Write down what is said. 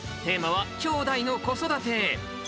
テーマは「きょうだいの子育て」。